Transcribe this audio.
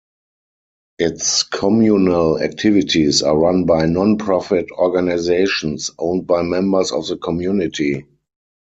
Its communal activities are run by non-profit organizations owned by members of the community.